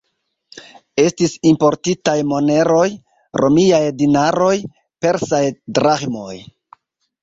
Estis importitaj moneroj: romiaj dinaroj, persaj draĥmoj...